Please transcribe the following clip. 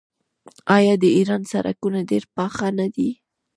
آیا د ایران سړکونه ډیر پاخه نه دي؟